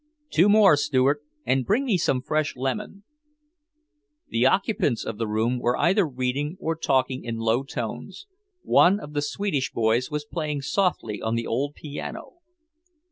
"Two more, steward, and bring me some fresh lemon." The occupants of the room were either reading or talking in low tones. One of the Swedish boys was playing softly on the old piano.